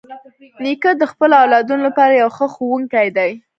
نیکه د خپلو اولادونو لپاره یو ښه ښوونکی دی.